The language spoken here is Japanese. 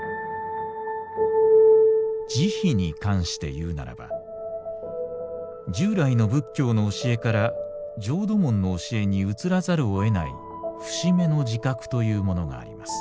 「慈悲に関して言うならば従来の仏教の教えから浄土門の教えに移らざるを得ない節目の自覚というものがあります」。